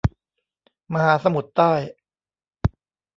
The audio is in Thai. มหาสมุทรใต้